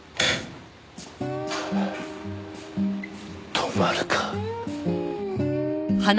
泊まるか。